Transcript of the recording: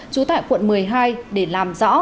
chú tại quận một mươi hai để làm rõ